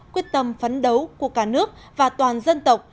quyết tâm phấn đấu của cả nước và toàn dân tộc